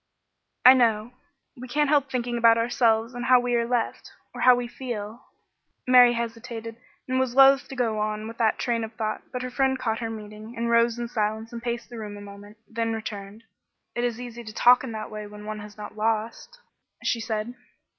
"I know. We can't help thinking about ourselves and how we are left or how we feel " Mary hesitated and was loath to go on with that train of thought, but her friend caught her meaning and rose in silence and paced the room a moment, then returned. "It is easy to talk in that way when one has not lost," she said.